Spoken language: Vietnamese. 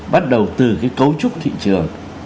bắt đầu từ cái cấu trúc thị trường